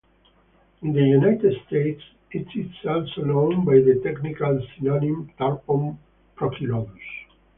In the United States it is also known by the technical synonym "Tarpon prochilodus".